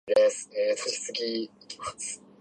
立教大学